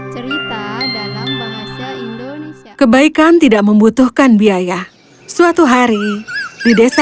hai cerita dalam bahasa indonesia kebaikan tidak membutuhkan biaya suatu hari di desa